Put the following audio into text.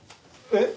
えっ？